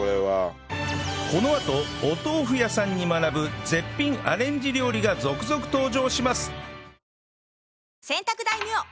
このあとお豆腐屋さんに学ぶ絶品アレンジ料理が続々登場します！